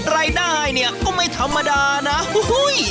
รายได้เนี่ยก็ไม่ธรรมดานะอุ้ย